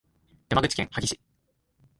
山口県萩市